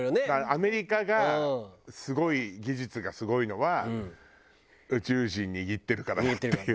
アメリカがすごい技術がすごいのは宇宙人握ってるからだっていう。